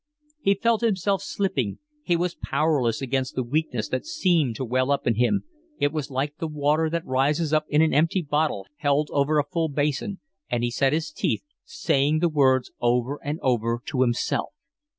He felt himself slipping. He was powerless against the weakness that seemed to well up in him; it was like the water that rises up in an empty bottle held over a full basin; and he set his teeth, saying the words over and over to himself.